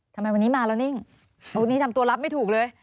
ทำไมวันนี้มาแล้วนิ่งวันนี้ทำตัวรับไม่ถูกเลย